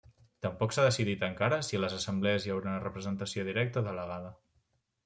Tampoc s'ha decidit encara si a les assemblees hi haurà representació directa o delegada.